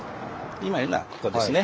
今いるのはここですね。